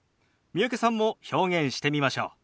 三宅さんも表現してみましょう。